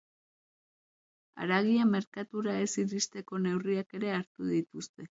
Haragia merkatura ez iristeko neurriak ere hartu dituzte.